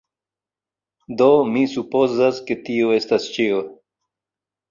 Do, mi supozas, ke tio estas ĉio